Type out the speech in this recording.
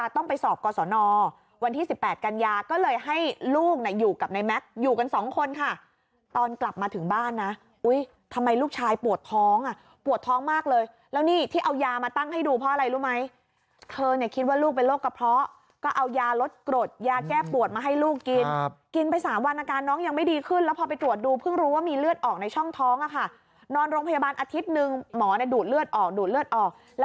ทำไมลูกชายปวดท้องอ่ะปวดท้องมากเลยแล้วนี่ที่เอายามาตั้งให้ดูเพราะอะไรรู้ไหมเธอเนี่ยคิดว่าลูกเป็นโรคกระเพาะก็เอายาลดกรดยาแก้ปวดมาให้ลูกกินกินไปสามวันอาการน้องยังไม่ดีขึ้นแล้วพอไปตรวจดูเพิ่งรู้ว่ามีเลือดออกในช่องท้องอ่ะค่ะนอนโรงพยาบาลอาทิตย์นึงหมอเนี่ยดูดเลือดออกดูดเลือดออกแล้